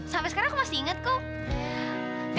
sampai sekarang aku masih ingat kok